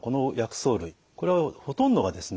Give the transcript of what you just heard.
これはほとんどがですね